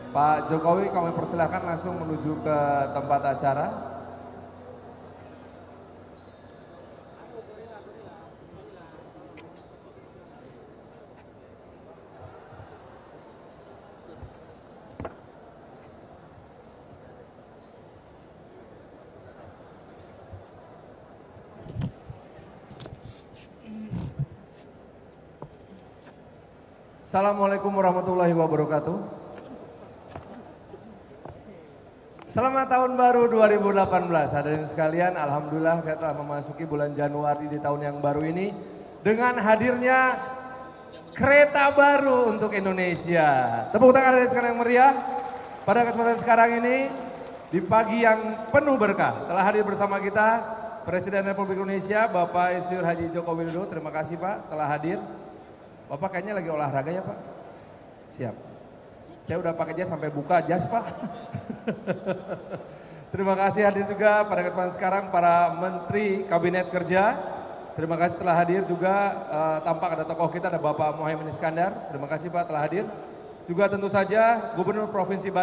pak jokowi kalau boleh persilahkan langsung menuju ke tempat acara